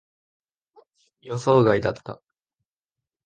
予想外だった。